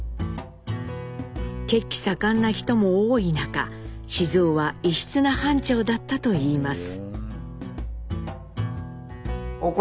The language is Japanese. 血気盛んな人も多い中雄は異質な班長だったといいます。